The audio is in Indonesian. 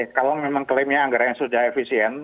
oke kalau memang klaimnya anggaran yang sudah efisien